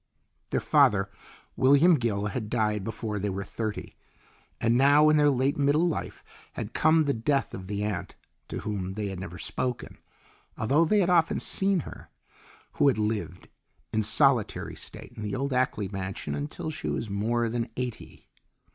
Their father, William Gill, had died before they were thirty, and now in their late middle life had come the death of the aunt to whom they had never spoken, although they had often seen her, who had lived in solitary state in the old Ackley mansion until she was more than eighty.